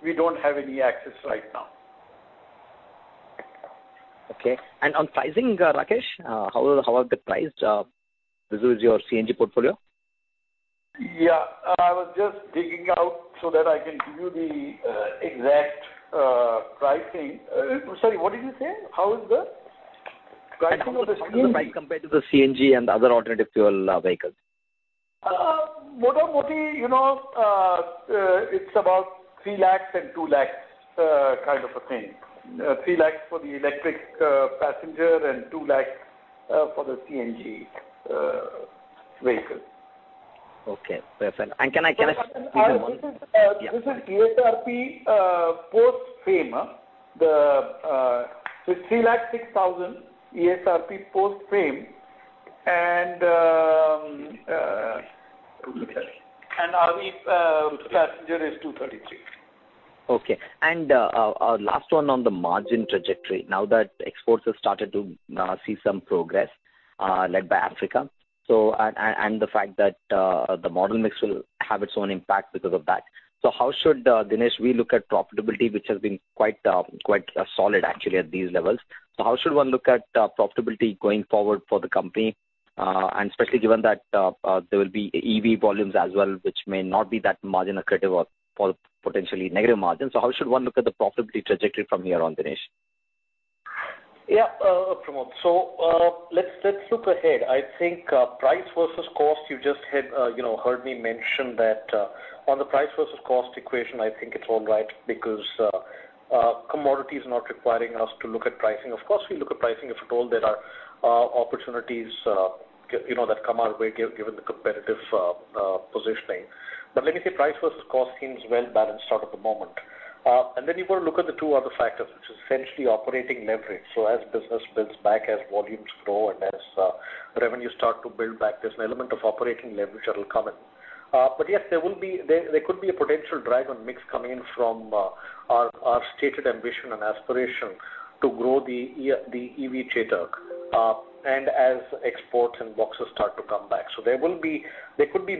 we don't have any access right now. Okay. On pricing, Rakesh, how are the priced, vis-a-vis your CNG portfolio? Yeah, I was just digging out so that I can give you the exact pricing. Sorry, what did you say? How is the pricing of the CNG- Compared to the CNG and the other alternative fuel, vehicles. more or more, you know, it's about 3 lakhs and 2 lakhs, kind of a thing. 3 lakhs for the electric, passenger and 2 lakhs, for the CNG, vehicle. Okay, perfect. Can I? This is ESRP, post FAME. The 3 lakh 6,000 ESRP post FAME and our passenger is 233. Okay. Our last one on the margin trajectory, now that exports have started to see some progress, led by Africa. The fact that the model mix will have its own impact because of that. How should Dinesh, we look at profitability, which has been quite solid actually at these levels? How should one look at profitability going forward for the company? Especially given that there will be EV volumes as well, which may not be that margin accretive or potentially negative margin. How should one look at the profitability trajectory from here on, Dinesh? Yeah, Pramod. Let's, let's look ahead. I think price versus cost, you just had, you know, heard me mention that, on the price versus cost equation, I think it's all right, because commodity is not requiring us to look at pricing. Of course, we look at pricing if at all there are opportunities, you know, that come our way, given the competitive positioning. Let me say price versus cost seems well balanced out at the moment. You've got to look at the two other factors, which is essentially operating leverage. As business builds back, as volumes grow, and as revenues start to build back, there's an element of operating leverage that will come in. Yes, there could be a potential drive on mix coming in from our stated ambition and aspiration to grow the EV Chetak, and as exports and boxes start to come back. There could be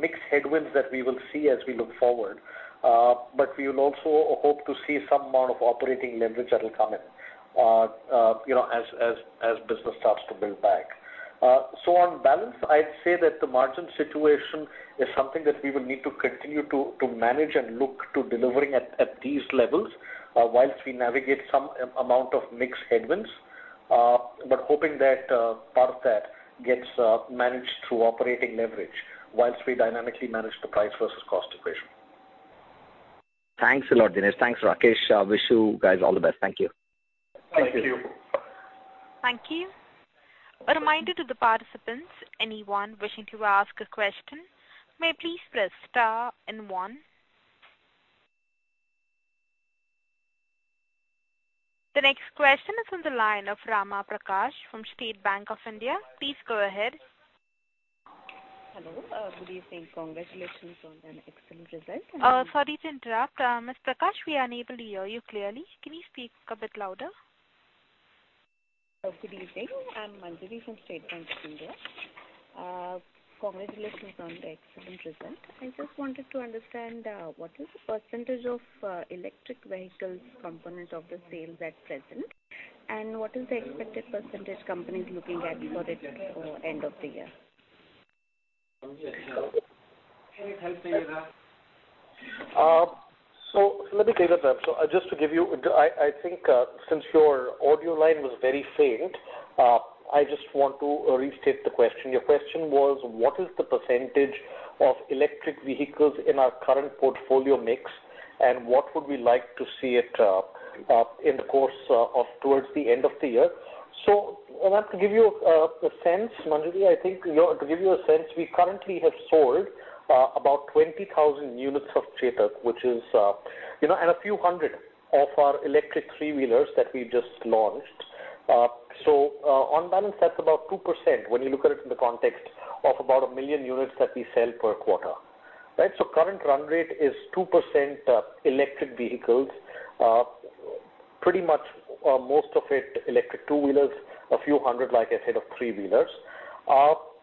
mixed headwinds that we will see as we look forward, but we will also hope to see some amount of operating leverage that will come in, you know, as business starts to build back. On balance, I'd say that the margin situation is something that we will need to continue to manage and look to delivering at these levels, whilst we navigate some amount of mixed headwinds. hoping that part of that gets managed through operating leverage while we dynamically manage the price versus cost equation. Thanks a lot, Dinesh. Thanks, Rakesh. Wish you guys all the best. Thank you. Thank you. Thank you. A reminder to the participants, anyone wishing to ask a question, may please press star and one. The next question is on the line of Rama Prakash from State Bank of India. Please go ahead. Hello, good evening. Congratulations on an excellent result. Sorry to interrupt. Ms. Prakash, we are unable to hear you clearly. Can you speak a bit louder? Good evening. I'm Manjari from State Bank of India. Congratulations on the excellent result. I just wanted to understand what is the % of electric vehicles component of the sales at present? What is the expected percentage company is looking at for the end of the year? [inaudible] Let me take that up. Just to give you... I think, since your audio line was very faint, I just want to restate the question. Your question was, what is the percentage of electric vehicles in our current portfolio mix, and what would we like to see it in the course of towards the end of the year? I'd like to give you a sense, Manjari, I think, you know, to give you a sense, we currently have sold about 20,000 units of Chetak, which is, you know, and a few hundred of our electric three-wheelers that we just launched. On balance, that's about 2% when you look at it in the context of about 1 million units that we sell per quarter. Right? Current run rate is 2%, electric vehicles, pretty much, most of it, electric two-wheelers, a few hundred, like I said, of three-wheelers.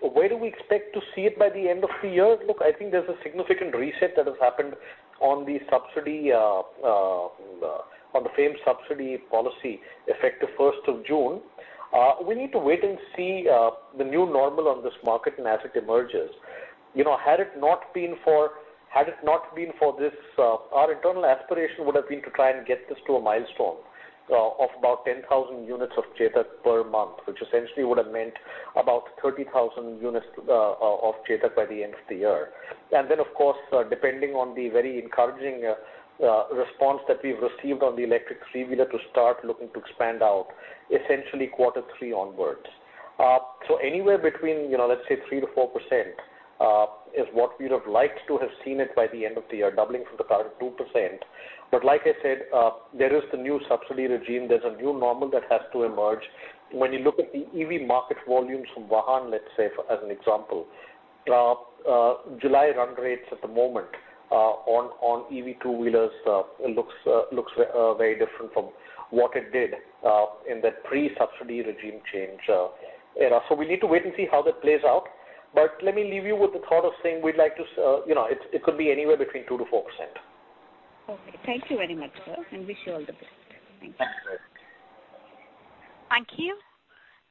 Where do we expect to see it by the end of the year? Look, I think there's a significant reset that has happened on the subsidy on the FAME subsidy policy, effective 1st of June. We need to wait and see the new normal on this market and as it emerges. You know, had it not been for this, our internal aspiration would have been to try and get this to a milestone of about 10,000 units of Chetak per month, which essentially would have meant about 30,000 units of Chetak by the end of the year. Of course, depending on the very encouraging response that we've received on the electric three-wheeler to start looking to expand out, essentially quarter three onwards. Anywhere between, you know, let's say 3%-4% is what we would have liked to have seen it by the end of the year, doubling from the current 2%. Like I said, there is the new subsidy regime. There's a new normal that has to emerge. When you look at the EV market volumes from Vahan, let's say, for as an example, July run rates at the moment, on EV two-wheelers, looks very different from what it did in that pre-subsidy regime change era. We need to wait and see how that plays out. Let me leave you with the thought of saying we'd like to, you know, it could be anywhere between 2%-4%. Okay. Thank you very much, sir, and wish you all the best. Thank you. Thank you.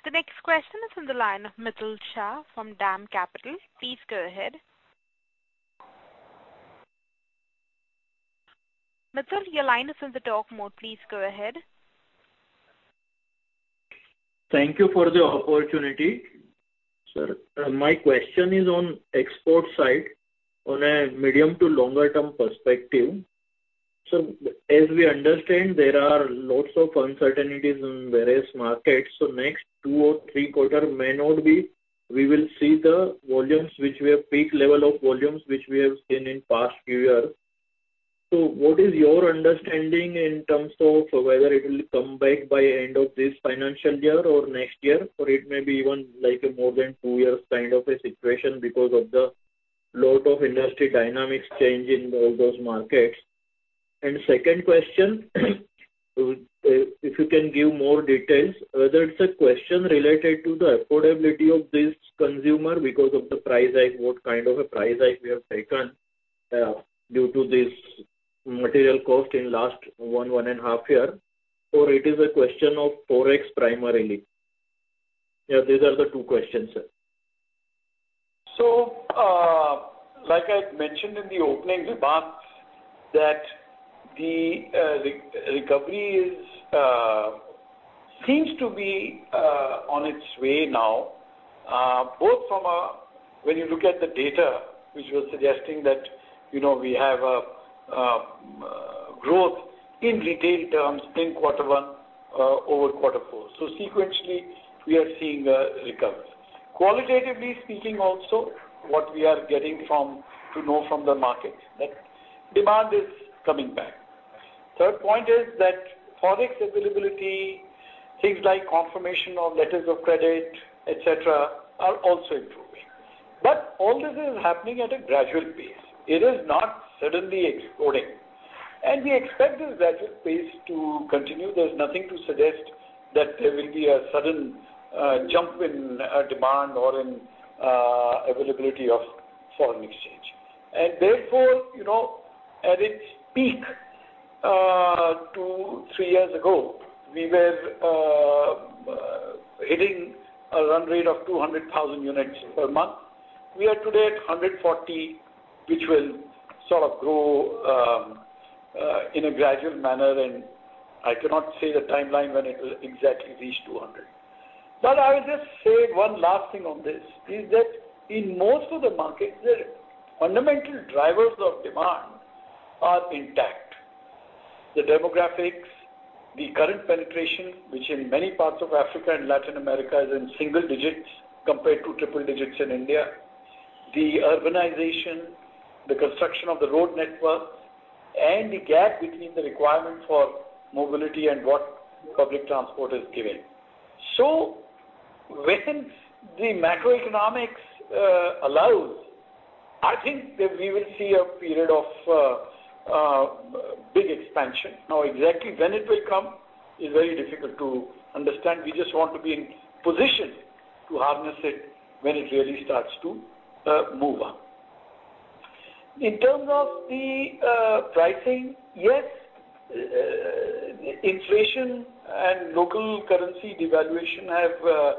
The next question is on the line of Mitul Shah from DAM Capital. Please go ahead. Mitul, your line is in the talk mode. Please go ahead. Thank you for the opportunity. Sir, my question is on export side, on a medium to longer term perspective. As we understand, there are lots of uncertainties in various markets, so next two or three quarter. We will see the volumes, which we have peak level of volumes, which we have seen in past few years. What is your understanding in terms of whether it will come back by end of this financial year or next year? Or it may be even like more than two years kind of a situation because of the lot of industry dynamics change in all those markets. Second question, if you can give more details, whether it's a question related to the affordability of this consumer because of the price hike, what kind of a price hike we have taken, due to this material cost in last one and a half year, or it is a question of Forex primarily? These are the two questions, sir. Like I mentioned in the opening remarks, that the recovery is seems to be on its way now, both from when you look at the data, which was suggesting that, you know, we have a growth in retail terms in quarter one over quarter four. Sequentially, we are seeing a recovery. Qualitatively speaking, also, what we are getting from, to know from the market, that demand is coming back. Third point is that Forex availability, things like confirmation of letters of credit, et cetera, are also improving. All this is happening at a gradual pace. It is not suddenly exploding, and we expect this gradual pace to continue. There's nothing to suggest that there will be a sudden jump in demand or in availability of foreign exchange. Therefore, you know, at its peak, two, three years ago, we were hitting a run rate of 200,000 units per month. We are today at 140, which will sort of grow in a gradual manner, and I cannot say the timeline when it will exactly reach 200. I will just say one last thing on this, is that in most of the markets, the fundamental drivers of demand are intact. The demographics, the current penetration, which in many parts of Africa and Latin America is in single digits compared to triple digits in India, the urbanization, the construction of the road network, and the gap between the requirement for mobility and what public transport is giving. Within the macroeconomics allows, I think that we will see a period of big expansion. Exactly when it will come is very difficult to understand. We just want to be in position to harness it when it really starts to move on. In terms of the pricing, yes, inflation and local currency devaluation have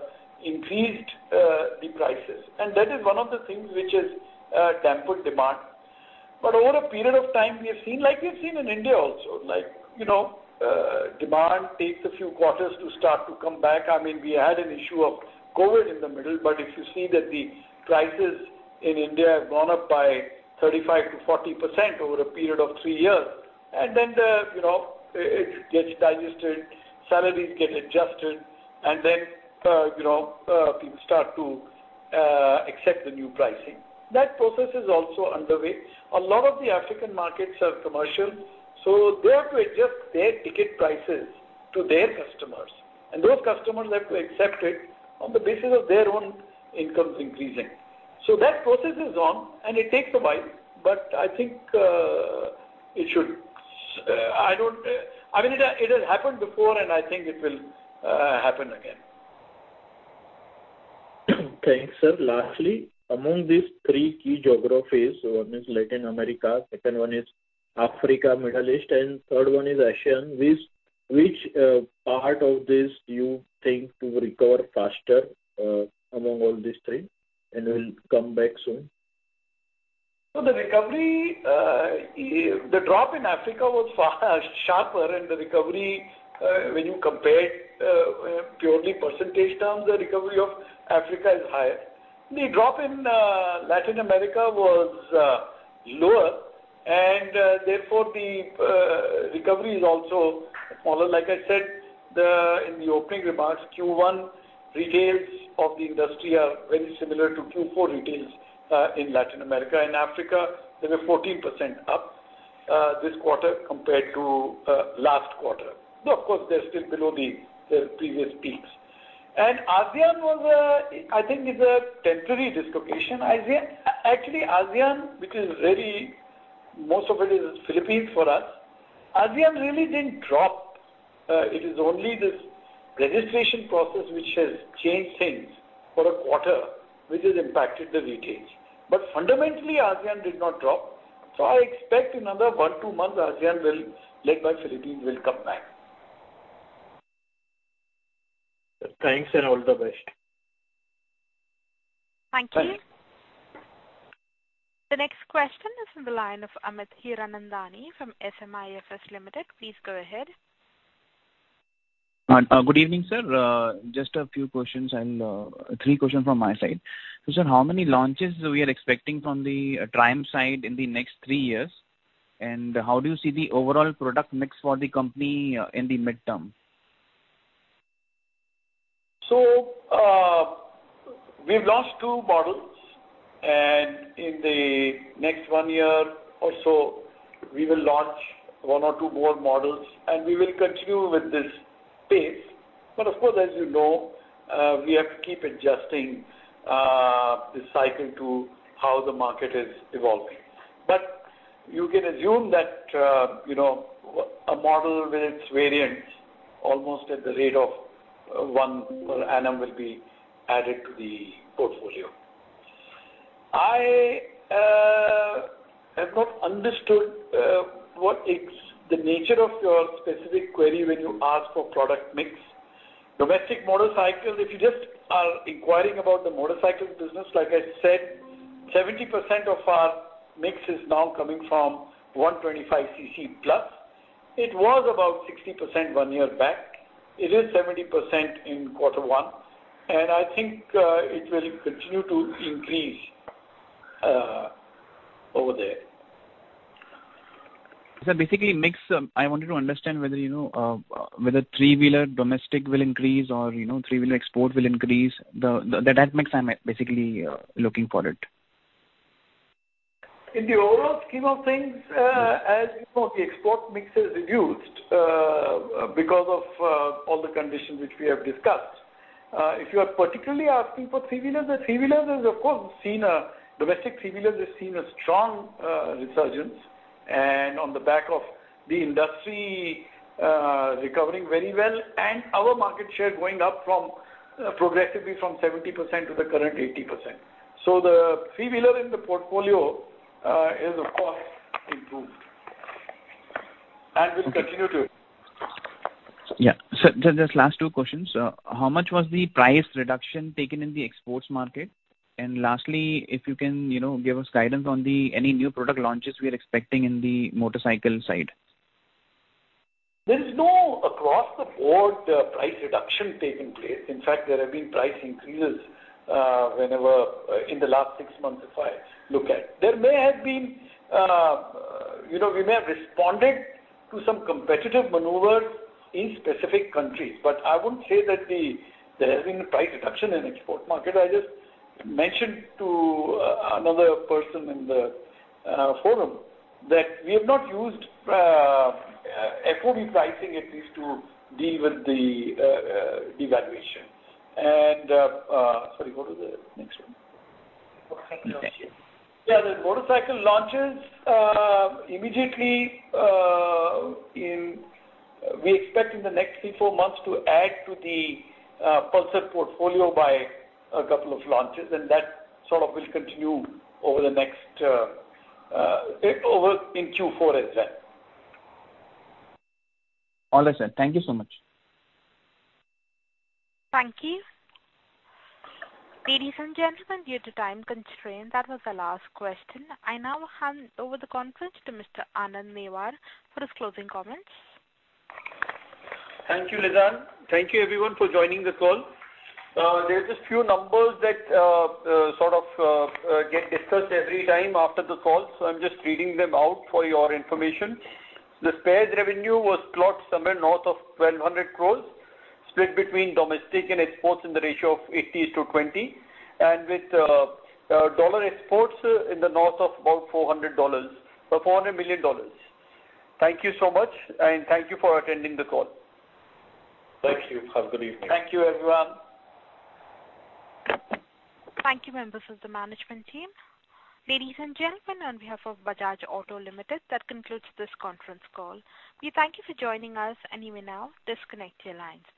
increased the prices. That is one of the things which has tempered demand. Over a period of time, we have seen, like we've seen in India also, like, you know, demand takes a few quarters to start to come back. I mean, we had an issue of COVID in the middle. If you see that the prices in India have gone up by 35%-40% over a period of three years. Then the, you know, it gets digested, salaries get adjusted. Then, you know, people start to accept the new pricing. That process is also underway. A lot of the African markets are commercial, so they have to adjust their ticket prices to their customers, and those customers have to accept it on the basis of their own incomes increasing. That process is on, and it takes a while, but I think, I mean, it should, it has happened before, and I think it will, happen again. Thanks, sir. Lastly, among these three key geographies, one is Latin America, second one is Africa, Middle East, and third one is ASEAN. Which part of this do you think to recover faster among all these three, and will come back soon? The recovery, the drop in Africa was far sharper, and the recovery, when you compare, purely percentage terms, the recovery of Africa is higher. The drop in Latin America was lower, and therefore, the recovery is also smaller. Like I said, in the opening remarks, Q1 retails of the industry are very similar to Q4 retails in Latin America. In Africa, they were 14% up this quarter compared to last quarter. No, of course, they're still below the previous peaks. ASEAN was, I think it's a temporary dislocation, ASEAN. Actually, ASEAN, which is very, most of it is Philippines for us. ASEAN really didn't drop. It is only this registration process which has changed things for a quarter, which has impacted the retails. Fundamentally, ASEAN did not drop. I expect in another one, two months, ASEAN will, led by Philippines, will come back. Thanks, and all the best. Thank you. The next question is on the line of Amit Hiranandani from SMIFS Limited. Please go ahead. Good evening, sir. Just a few questions and, three questions from my side. Sir, how many launches we are expecting from the Triumph side in the next three years? How do you see the overall product mix for the company in the midterm? We've launched two models, and in the next one year or so, we will launch one or two more models, and we will continue with this pace. Of course, as you know, we have to keep adjusting the cycle to how the market is evolving. You can assume that, you know, a model with its variants, almost at the rate of one per annum, will be added to the portfolio. I have not understood what is the nature of your specific query when you ask for product mix. Domestic motorcycles, if you just are inquiring about the motorcycle business, like I said, 70% of our mix is now coming from 125 cc plus. It was about 60% one year back. It is 70% in quarter one, and I think it will continue to increase over there. Basically, mix, I wanted to understand whether, you know, whether three-wheeler domestic will increase or, you know, three-wheeler export will increase. That mix, I'm basically looking for it. In the overall scheme of things, as you know, the export mix is reduced, because of, all the conditions which we have discussed. If you are particularly asking for three-wheelers, domestic three-wheelers has seen a strong resurgence, and on the back of the industry, recovering very well, and our market share going up from progressively from 70% to the current 80%. The three-wheeler in the portfolio, is of course, improved, and will continue to. Yeah. Just last two questions. How much was the price reduction taken in the exports market? Lastly, if you can, you know, give us guidance on the any new product launches we are expecting in the motorcycle side. There is no across-the-board price reduction taking place. In fact, there have been price increases whenever, in the last six months, if I look at. There may have been, you know, we may have responded to some competitive maneuvers in specific countries, but I wouldn't say that there has been a price reduction in export market. I just mentioned to another person in the forum that we have not used FOB pricing, at least to deal with the devaluation. Sorry, go to the next one. Motorcycle launches. Yeah, the motorcycle launches immediately. We expect in the next three, four months to add to the Pulsar portfolio by a couple of launches, and that sort of will continue over the next over in Q4 as well. All right, sir. Thank you so much. Thank you. Ladies and gentlemen, due to time constraint, that was the last question. I now hand over the conference to Mr. Anand Newar for his closing comments. Thank you, Lizanne. Thank you everyone for joining the call. There are just few numbers that sort of get discussed every time after the call. I'm just reading them out for your information. The spares revenue was clocked somewhere north of 1,200 crores, split between domestic and exports in the ratio of 80 to 20, with dollar exports in the north of about $400, or $400 million. Thank you so much. Thank you for attending the call. Thank you. Have a good evening. Thank you, everyone. Thank you, members of the management team. Ladies and gentlemen, on behalf of Bajaj Auto Limited, that concludes this conference call. We thank you for joining us, and you may now disconnect your lines.